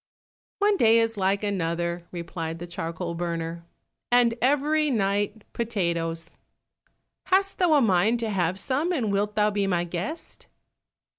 "One day is like another," replied the charcoal burner, "and every night potatoes! Hast thou a mind to have some, and wilt thou be my guest?"